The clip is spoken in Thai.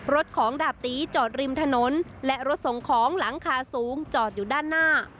รถของดาบตีจอดริมถนนและรถส่งของหลังคาสูงจอดอยู่ด้านหน้า